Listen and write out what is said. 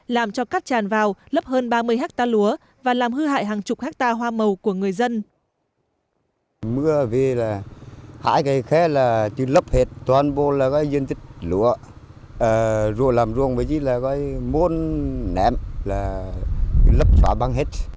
làm cho cát tràn vào lấp hơn ba mươi hectare lúa và làm hư hại hàng chục hectare hoa màu của người dân